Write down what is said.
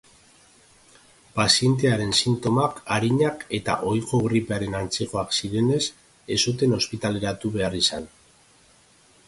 Pazientearen sintomak arinak eta ohiko gripearen antzekoak zirenez ez zuten ospitaleratu behar izan.